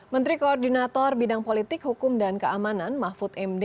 menteri koordinator bidang politik hukum dan keamanan mahfud md